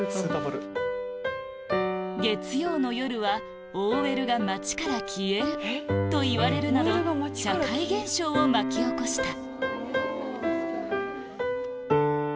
月曜の夜は ＯＬ が街から消えるといわれるなど社会現象を巻き起こした